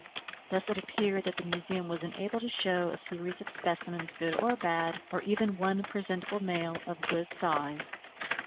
Thus it appeared that the Museum was unable to show a series of specimens, good or bad, or even one presentable male of good size.